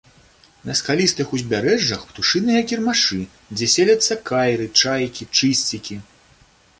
На скалістых узбярэжжах птушыныя кірмашы, дзе селяцца кайры, чайкі, чысцікі.